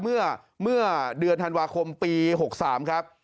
เมื่อเดือนธันวาคมปี๖๓ครับ